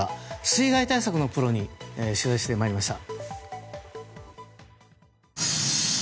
水害対策のプロに取材してまいりました。